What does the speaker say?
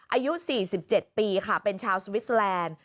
อายุ๔๗ปีค่ะเป็นชาวสวิสเตอร์แลนด์